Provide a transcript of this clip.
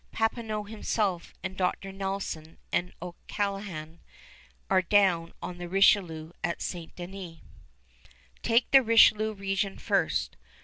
Papineau himself and Dr. Nelson and O'Callaghan are down on the Richelieu at St. Denis. Take the Richelieu region first.